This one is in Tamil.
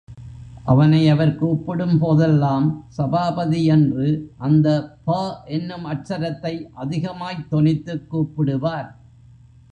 அவனை அவர் கூப்பிடும் போதெல்லாம், சபாபதி என்று அந்த ப என்னும் அட்சரத்தை அதிகமாய்த் தொனித்துக் கூப்பிடுவார்.